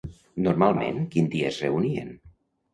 Normalment quin dia es reunien?